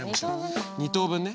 ２等分ね。